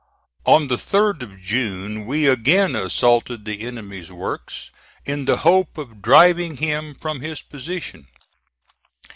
On the 3d of June we again assaulted the enemy's works, in the hope of driving him from his position.